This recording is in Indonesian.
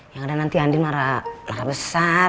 ya udah nanti andin marah besar